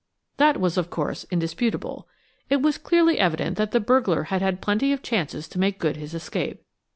That was, of course, indisputable. It was clearly evident that the burglar had had plenty of chances to make good his escape.